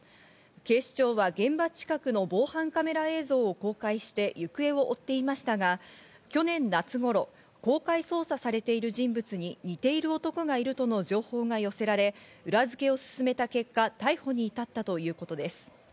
警視庁は現場近くの防犯カメラ映像を公開して行方を追っていましたが、去年夏頃、公開捜査されている人物に似ている男がいるとの情報が寄せられ、裏付けを進めた結果、逮捕に至ったということです。